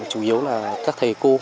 chủ yếu là các thầy cô